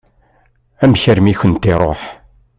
Amek armi i kent-iṛuḥ?